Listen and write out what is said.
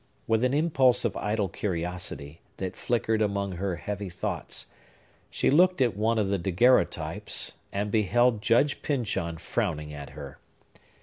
With an impulse of idle curiosity, that flickered among her heavy thoughts, she looked at one of the daguerreotypes, and beheld Judge Pyncheon frowning at her.